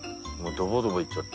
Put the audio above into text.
ドボドボいっちゃって。